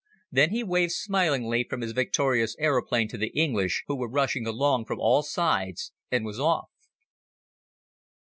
Then he waved smilingly from his victorious aeroplane to the English who were rushing along from all sides and was off.